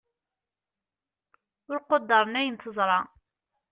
ur quddren ayen teẓṛa